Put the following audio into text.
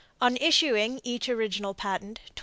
On issuing each original patent, $20.